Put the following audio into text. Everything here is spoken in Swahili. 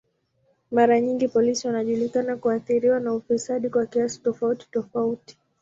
Mara nyingi polisi wanajulikana kuathiriwa na ufisadi kwa kiasi tofauti tofauti.